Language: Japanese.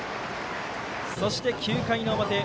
そして９回の表。